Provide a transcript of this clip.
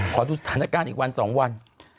ขอดูสถานการณ์อีกวัน๒วัน